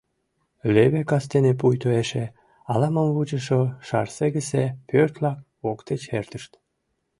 Леве кастене пуйто эше ала-мом вучышо Шарсегысе пӧрт-влак воктеч эртышт.